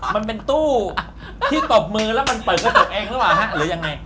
มันเป็นตู้ที่ตบมือแล้วมันเปิดกระจกเองหรือเปล่าฮะหรือยังไง